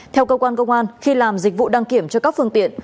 theo cơ quan công an khi làm dịch vụ đăng kiểm cho các phương tiện